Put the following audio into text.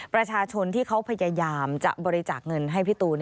ประชาชนที่เขาพยายามจะบริจาคเงินให้พี่ตูน